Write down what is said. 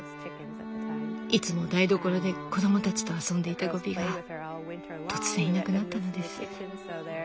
いつも台所で子供たちと遊んでいたゴビが突然いなくなったのです。